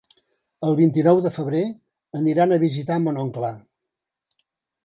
El vint-i-nou de febrer aniran a visitar mon oncle.